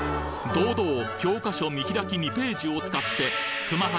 堂々教科書見開き２ページを使って熊八